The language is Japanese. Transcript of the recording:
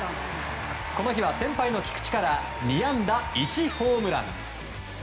この日は先輩の菊池から２安打１ホームラン。